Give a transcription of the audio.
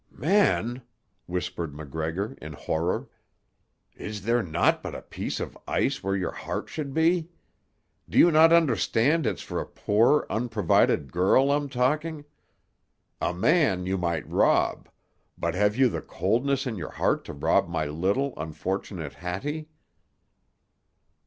"Man," whispered MacGregor in horror, "is there naught but a piece of ice where your heart should be? Do you not understand it's for a poor, unprovided girl I'm talking? A man you might rob; but have you the coldness in your heart to rob my little, unfortunate Hattie?"